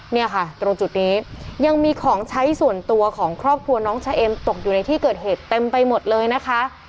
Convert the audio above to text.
เนี่ยค่ะตรงจุดนี้ยังมีของใช้ส่วนตัวของครอบครัวน้องชะเอ็มตกอยู่ในที่เกิดเหตุเต็มไปหมดเลยนะคะ